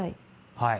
はい。